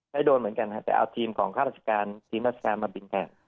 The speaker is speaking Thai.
ให้โดนเหมือนกันครับแต่เอาทีมของข้าราชการทีมราชการมาบินแทน